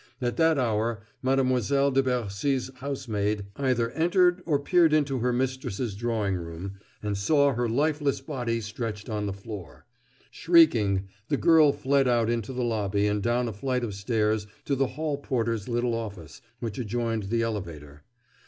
At that hour, Mademoiselle de Bercy's housemaid either entered or peered into her mistress's drawing room, and saw her lifeless body stretched on the floor. Shrieking, the girl fled out into the lobby and down a flight of stairs to the hall porter's little office, which adjoined the elevator.